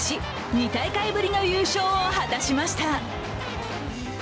２大会ぶりの優勝を果たしました。